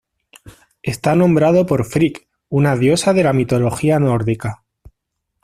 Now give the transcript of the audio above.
Está nombrado por Frigg, una diosa de la mitología nórdica.